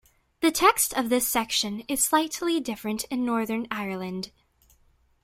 The text of this section is slightly different in Northern Ireland.